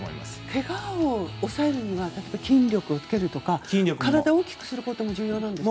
けがを抑えるのには筋力をつけることや体を大きくすることも重要なんですか？